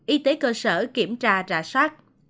y tế cơ sở kiểm tra rạ sát